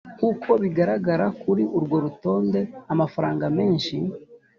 nk uko bigaragara kuri urwo rutonde amafaranga menshi